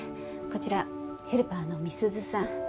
こちらヘルパーの美鈴さん。